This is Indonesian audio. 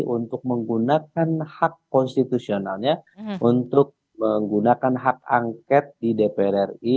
untuk menggunakan hak konstitusionalnya untuk menggunakan hak angket di dpr ri